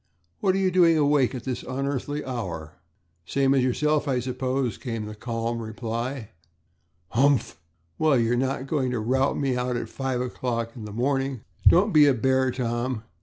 What are you doing awake at this unearthly hour?" "Same as yourself, I suppose," came the calm reply. "Humph! Well, you're not going to rout me out at five o'clock in the morning." "Don't be a bear, Tom.